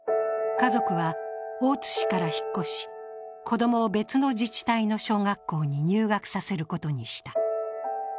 家族は、大津市から引っ越し、子供を別の自治体の小学校に入学させることにした。